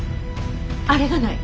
あれがない。